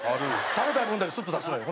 食べたい分だけスッと出すのよ。